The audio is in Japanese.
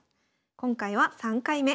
今回は３回目。